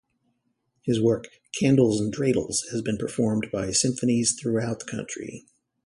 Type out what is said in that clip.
His work, Candles and Dreidels has been performed by symphonies throughout the country.